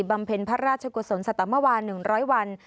บัมเพลินพระราชจุกษลสตมวัน๑๐๐วัน